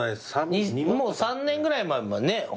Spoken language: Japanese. もう３年ぐらい前はね